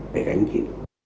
về cái anh chị